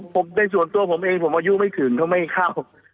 ผมในส่วนตัวผมเองผมอายุไม่ถึงเขาไม่เข้า